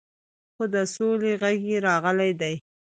خو د سولې غږ یې راغلی دی.